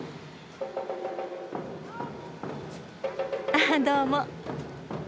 ・・あっどうも。